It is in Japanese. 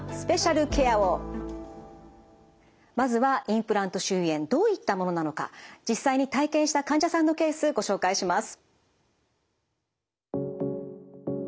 まずはインプラント周囲炎どういったものなのか実際に体験した患者さんのケースご紹介します。